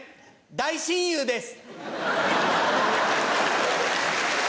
大親友です。